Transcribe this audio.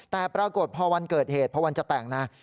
แต่ปรากฏพอวันเกิดเหตุพอวันจะแต่งนะ